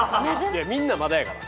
みんなまだやから。